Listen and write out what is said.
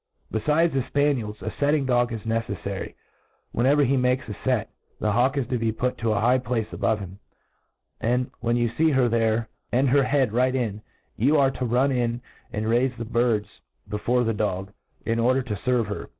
Befides the ^anielg, a fctting dog is neceffaryr Whenever he makes a fet,' the hawk is to be put to a high place above him y and^ when you fee her there, and her head right in,, you are to run in and raifc the birds before the dog, in order to fcrvc her.